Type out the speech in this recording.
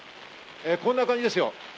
こんな感じです。